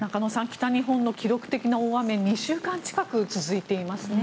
北日本の記録的な大雨２週間近く続いていますね。